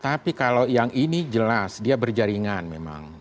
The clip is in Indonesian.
tapi kalau yang ini jelas dia berjaringan memang